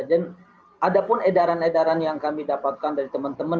dan ada pun edaran edaran yang kami dapatkan dari teman teman